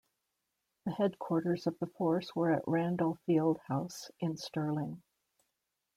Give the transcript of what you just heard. The headquarters of the force were at Randolphfield House in Stirling.